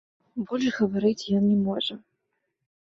Больш гаварыць ён не можа.